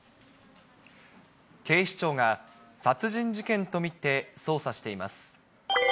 警視庁が殺人事件と見て捜査しています。